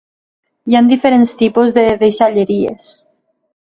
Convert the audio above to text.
Hi ha diferents tipus de deixalleries.